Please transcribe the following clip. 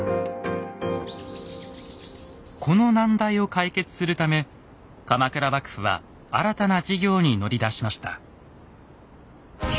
この難題を解決するため鎌倉幕府は新たな事業に乗り出しました。